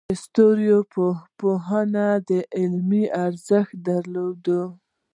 د ستورپوهنې علم ارزښت درلود